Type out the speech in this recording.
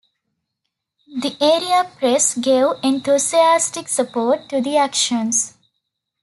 The area press gave enthusiastic support to the actions.